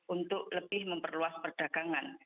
untuk lebih memperluas perdagangan